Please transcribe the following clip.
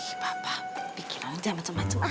ih papa bikin aja macem macem ah